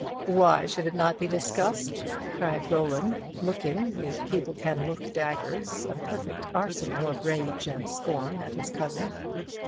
"Why should it not be discussed?" cried Roland, looking if people can look daggers a perfect arsenal of rage and scorn at his cousin.